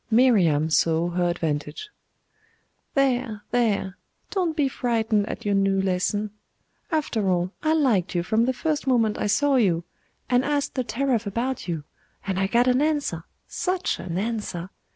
Miriam saw her advantage. 'There, there don't be frightened at your new lesson. After all, I liked you from the first moment I saw you, and asked the teraph about you, and I got an answer such an answer!